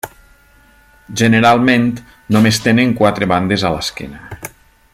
Generalment només tenen quatre bandes a l'esquena.